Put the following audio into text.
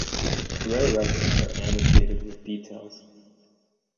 Rare records are annotated with details.